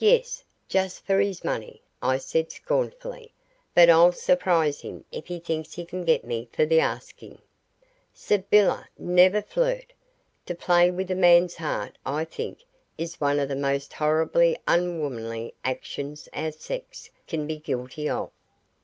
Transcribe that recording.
"Yes, just for his money," I said scornfully. "But I'll surprise him if he thinks he can get me for the asking." "Sybylla, never flirt. To play with a man's heart, I think, is one of the most horribly unwomanly actions our sex can be guilty of."